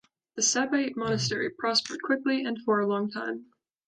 The Sabaite monastery prospered quickly and for a long time.